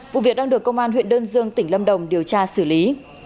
vụ việc đang được công an huyện đơn dương tỉnh lâm đồng điều tra xử lý